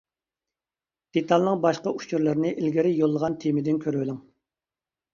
دېتالنىڭ باشقا ئۇچۇرلىرىنى ئىلگىرى يوللىغان تېمىدىن كۆرۈۋېلىڭ.